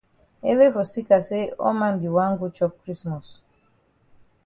Ele for seka say all man be wan go chop krismos.